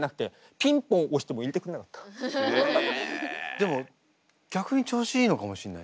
でも逆に調子いいのかもしれない。